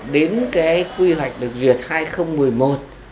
đến cái quy hoạch được duyệt hai nghìn một mươi một